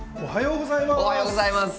おはようございます。